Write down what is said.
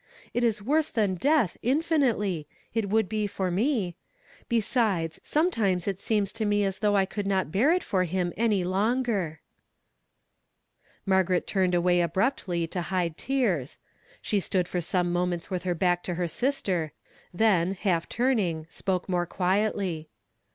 It is woi se than death, infinitely ; it would be for me. Sometimes it seems to me as though I could not bear it for him any longer." Maigaret turned away abruptly to hide tears. She stood for some moments with her back to her sister, then, half turning, spoke more quietly.